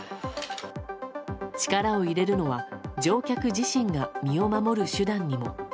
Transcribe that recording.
力を入れるのは乗客自身が身を守る手段にも。